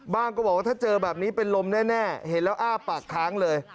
ก็บอกว่าถ้าเจอแบบนี้เป็นลมแน่เห็นแล้วอ้าปากค้างเลย